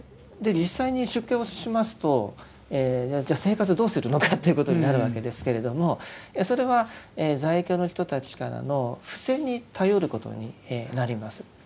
実際に出家をしますと生活どうするのかということになるわけですけれどもそれは在家の人たちからの布施に頼ることになります。